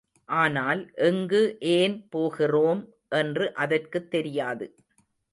ஆனால், எங்கு, ஏன் போகிறோம் என்று அதற்குத் தெரியாது.